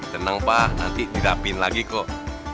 tenang pak nanti didapin lagi kok